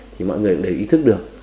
thì mọi người cũng đều ý thức được